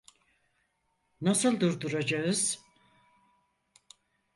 Nasıl durduracağız?